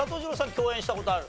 共演した事ある？